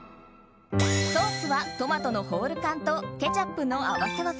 ソースはトマトのホール缶とケチャップの合わせ技。